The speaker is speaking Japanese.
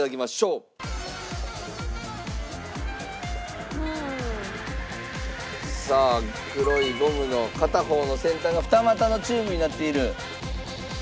うーん。さあ黒いゴムの片方の先端が二股のチューブになっている。